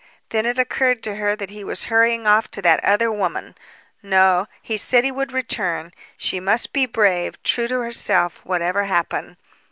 Then it occurred to her that he was hurrying off to that other woman. No, he said he would return. She must be brave, true to herself, whatever happened.